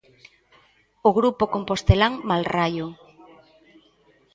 O grupo compostelán Malraio.